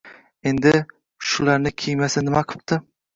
— Endi, shularni kiymasa nima qipti?